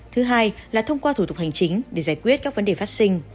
thứ hai là thông qua thủ tục hành chính để giải quyết các vấn đề phát sinh